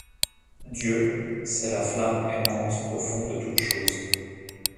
Dieu, c’est la flamme aimante au fond de toute chose.